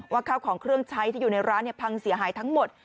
ข้าวของเครื่องใช้ที่อยู่ในร้านพังเสียหายทั้งหมด